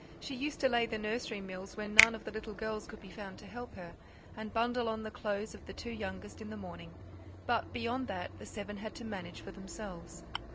She used to lay the nursery meals when none of the little girls could be found to help her, and bundle on the clothes of the two youngest in the morning, but beyond that the seven had to manage for themselves.